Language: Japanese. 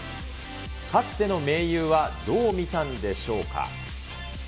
かつての盟友はどう見たんでしょうか。